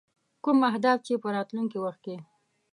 کوم اهداف چې په راتلونکي وخت کې.